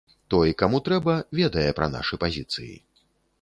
Той, каму трэба, ведае пра нашы пазіцыі.